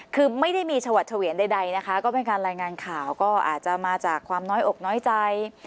คือไม่ได้มีชวัดเฉวียนใดนะคะก็เป็นการรายงานข่าวก็อาจจะมาจากความน้อยอกน้อยใจ